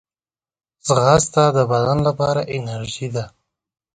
ځغاسته د بدن لپاره انرژي ده